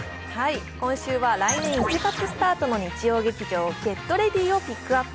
今週は来年１月スタートの日曜劇場「ＧｅｔＲｅａｄｙ！」をピックアップ。